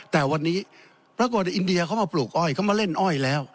แต่วันนี้ปรากฏอินเดียเขามาปลูกอ้อยเขามาเล่นอ้อยแล้ว